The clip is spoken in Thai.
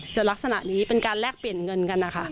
ลักษณะนี้เป็นการแลกเปลี่ยนเงินกันนะคะ